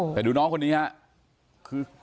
แต่ดูน้องคนนี้ครับ